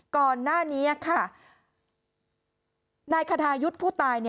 ก่อนหน้านี้ค่ะนายคทายุทธ์ผู้ตาย